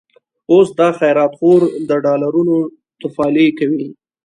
اوس دا خيرات خور، د ډالرونو تفالې کوي